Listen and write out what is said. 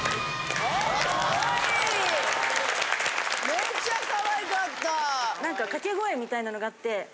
めっちゃかわいかった。